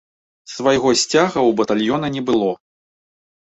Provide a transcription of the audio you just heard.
Свайго сцяга ў батальёна не было.